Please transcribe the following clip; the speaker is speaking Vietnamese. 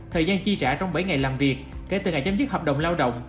thời gian chi trả trong bảy ngày làm việc kể từ ngày chấm dứt hợp đồng lao động